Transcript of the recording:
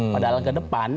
padahal ke depan